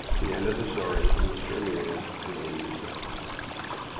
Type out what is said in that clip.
THE END OF THE STORY OF MR. EMILIUS AND LADY EUSTACE.